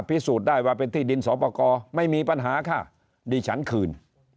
พิสูจน์ได้ว่าเป็นที่ดินสอปกรไม่มีปัญหาค่ะดิฉันคืน